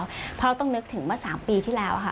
เพราะเราต้องนึกถึงว่า๓ปีที่แล้ว